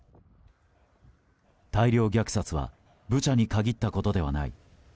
大量虐殺はブチャに限ったことではない。